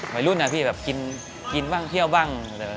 วัยรุ่นนะพี่แบบกินบ้างเที่ยวบ้าง